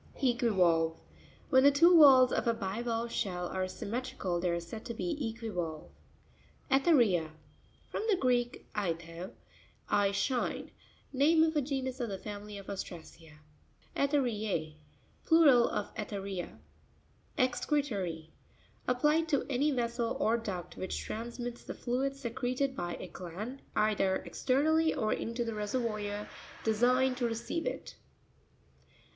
E'quivaLvE.—When the two valves of a bivalve shell are symmetrical they are said to be equivalve (page 97). Erne'r1s.—From the Greek, aithé, I shine. Name of a genus of the family of Ostracea (page 75). Erue'r12.—Plural of Etheria. Excre'rory.—Applied to any vessel or duct which transmits the fluid secreted by a gland, either exter. nally or into the reseryoir designed to receive it.